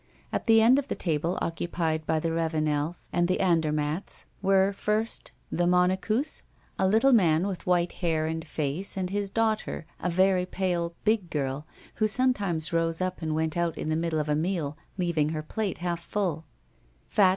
At the end of the table occupied by the Ravenels and the Andermatts were, first, the Monecus, a little man with white hair and face and his daughter, a very pale, big girl, who sometimes rose up and went out in the middle of a meal, leaving her plate half full; fat M.